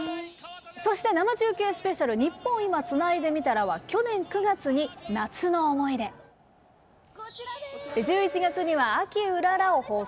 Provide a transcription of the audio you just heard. そして生中継スペシャル「ニッポン『今』つないでみたら」は去年９月に「夏の思い出」１１月には「秋うらら」を放送。